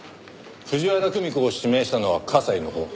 藤原久美子を指名したのは加西のほう。